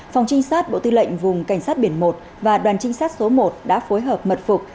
phòng trinh sát bộ tư lệnh vùng cảnh sát biển một và đoàn trinh sát số một đã phối hợp mật phục